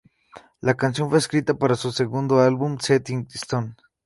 La canción fue escrita para su segundo álbum, Set in Stone.